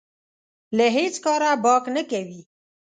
له هېڅ کاره باک نه کوي.